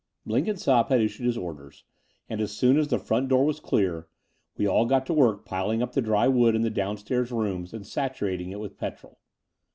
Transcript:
•it>^c^;^c^v « XVI Blenkinsopp had issued his orders ; and, as soon as the front door was clear, we all got to work piling up the dry wood in the downstairs rooms and saturating it with petrol.